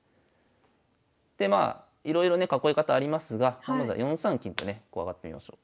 でまあいろいろね囲い方ありますがまずは４三金とね上がってみましょう。